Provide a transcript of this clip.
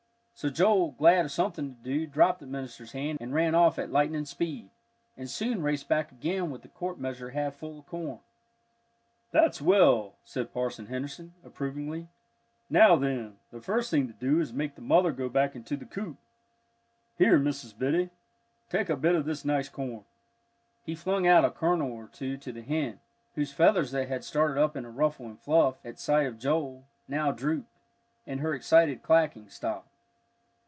So Joel, glad of something to do, dropped the minister's hand, and ran off at lightning speed, and soon raced back again with the quart measure half full of corn. "That's well," said Parson Henderson, approvingly. "Now then, the first thing to do is to make the mother go back into the coop. Here, Mrs. Biddy, take a bit of this nice corn." He flung out a kernel or two to the hen, whose feathers that had started up in a ruffle and fluff, at sight of Joel, now drooped, and her excited clacking stopped.